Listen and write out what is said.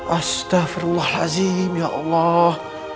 astagfirullahaladzim ya allah